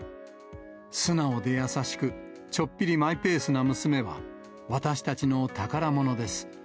素直で優しく、ちょっぴりマイペースの娘は、私たちの宝物です。